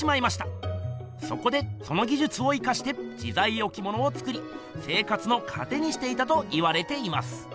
そこでそのぎじゅつを生かして自在置物を作り生活のかてにしていたと言われています。